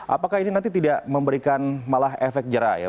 apakah ini nanti tidak memberikan efek jerah